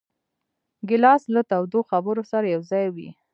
ګیلاس له تودو خبرو سره یوځای وي.